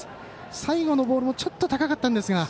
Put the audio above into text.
最後のボールもちょっと高かったんですが。